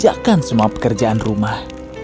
dia mengerjakan semua pekerjaan rumah